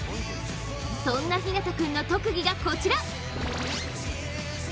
そんな陽向君の特技がこちら。